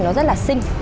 nó rất là xinh